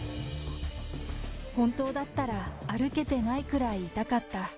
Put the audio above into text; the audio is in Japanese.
本当だったら、歩けてないくらい痛かった。